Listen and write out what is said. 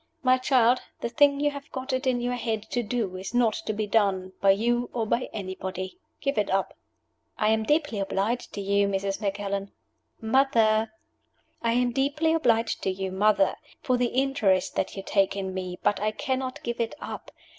My child, the thing you have got it in your head to do is not to be done by you or by anybody. Give it up." "I am deeply obliged to you, Mrs. Macallan " "'Mother!'" "I am deeply obliged to you, mother, for the interest that you take in me, but I cannot give it up.